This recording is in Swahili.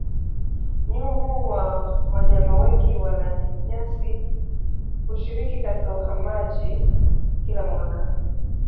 Nyumbu na wanyama wengi walanyasi hushiriki katika uhamaji kila mwaka